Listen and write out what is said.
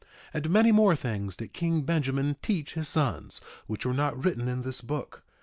1:8 And many more things did king Benjamin teach his sons, which are not written in this book.